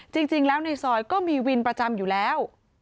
จริงแล้วในซอยก็มีวินประจำอยู่แล้ว